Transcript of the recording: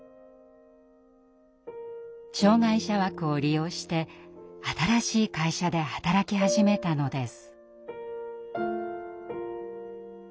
障害者枠を利用して新しい会社で働き始めたのです。